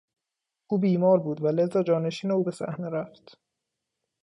او بیمار بود و لذا جانشین او به صحنه رفت.